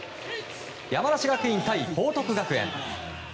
山梨学院対報徳学園。